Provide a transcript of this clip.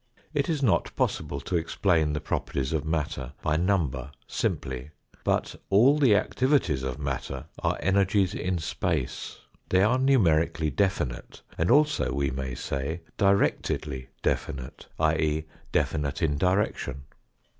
It is not possible to explain the properties of matter by number simply, but all the activities of matter are energies in space. They are numerically definite and also, we may say, directedly definite, i.e. definite in direction.